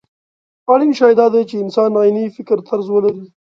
اړين شی دا دی چې انسان عيني فکرطرز ولري.